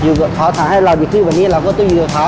อยู่กับเขาทางให้เราดีขึ้นกว่านี้เราก็ต้องอยู่กับเขา